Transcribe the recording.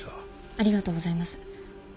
ありがとうございます。